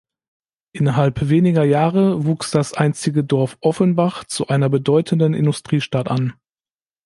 Innerhalb weniger Jahre wuchs das einstige Dorf Offenbach zu einer bedeutenden Industriestadt an.